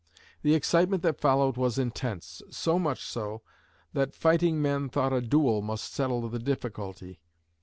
The excitement that followed was intense so much so that fighting men thought a duel must settle the difficulty.